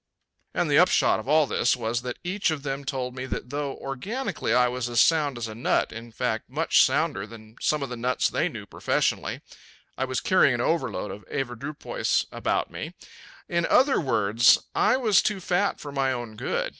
And the upshot of all this was that each of them told me that though organically I was as sound as a nut in fact much sounder than some of the nuts they knew professionally I was carrying an overload of avoirdupois about with me. In other words, I was too fat for my own good.